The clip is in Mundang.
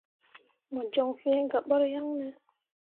Mo joŋ fĩĩ gah ɓur yaŋne ?